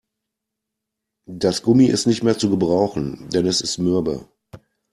Das Gummi ist nicht mehr zu gebrauchen, denn es ist mürbe.